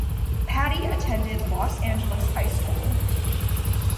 Patty attended Los Angeles High School.